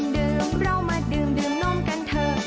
ดื่มเรามาดื่มนมกันเถอะ